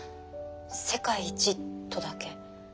「世界一」とだけ。